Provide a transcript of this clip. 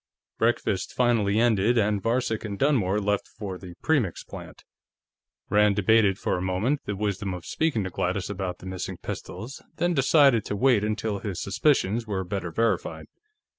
Breakfast finally ended, and Varcek and Dunmore left for the Premix plant. Rand debated for a moment the wisdom of speaking to Gladys about the missing pistols, then decided to wait until his suspicions were better verified.